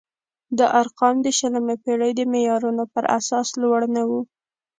دا ارقام د شلمې پېړۍ د معیارونو پر اساس لوړ نه وو.